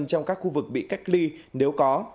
trong các khu vực bị cách ly nếu có